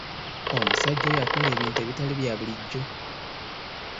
Omusajja oyo akola ebintu ebitali bya bulijjo!